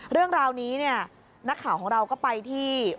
เรื่องราวนี้เนี่ยนักข่าวของเราก็ไปที่